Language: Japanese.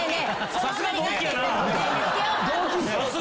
さすが同期やな！